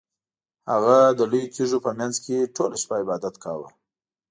هغه د لویو تیږو په مینځ کې ټوله شپه عبادت کاوه.